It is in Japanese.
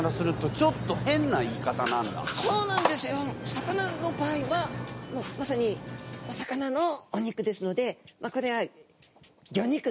魚の場合はもうまさにお魚のお肉ですのでこれは魚肉と言いますよね。